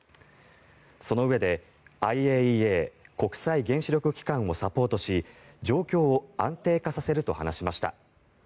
そのうえで、ＩＡＥＡ・国際原子力機関をサポートし状況を安定化させると話しました。